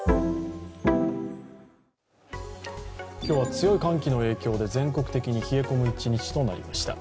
今日は強い寒気の影響で全国的に冷え込む一日となりました。